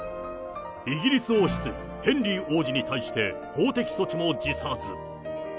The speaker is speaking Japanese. イギリス王室、ヘンリー王子に対して、法的措置も辞さず。